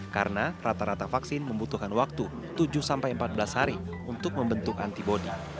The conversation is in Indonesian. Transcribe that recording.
karena rata rata vaksin membutuhkan waktu tujuh sampai empat belas hari untuk membentuk antibody